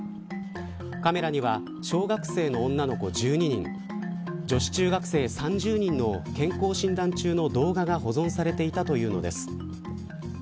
カメラには小学生の女の子１２人女子中学生３０人の健康診断中の動画が保存されていたというのです。